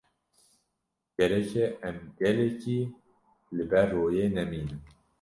Gerek e em gelekî li ber royê nemînin.